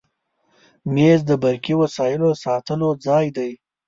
مېز د برقي وسایلو ساتلو ځای دی.